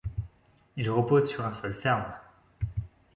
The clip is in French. Il repose sur un sol ferme !